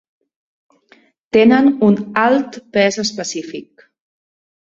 Tenen un alt pes específic.